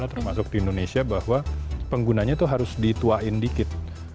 maksudnya kalau masuk di indonesia bahwa penggunanya tuh harus dituain dikit